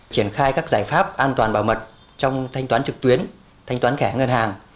triển khai các giải pháp an toàn bảo mật trong thanh toán trực tuyến thanh toán khẻ ngân hàng